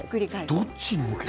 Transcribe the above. どっちに向けた？